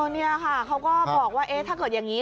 นี่ค่ะเขาก็บอกว่าถ้าเกิดอย่างนี้